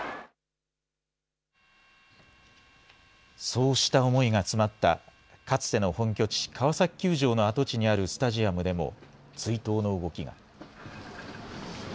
そうした思いが詰まったかつての本拠地、川崎球場の跡地にあるスタジアムでも、追悼の動きが。